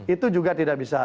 itu juga tidak bisa